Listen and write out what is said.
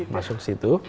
masuk di situ